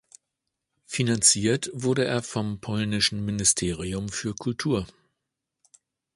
Finanziert wurde er vom polnischen Ministerium für Kultur.